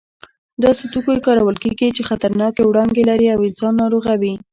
داسې توکي کارول کېږي چې خطرناکې وړانګې لري او انسان ناروغوي.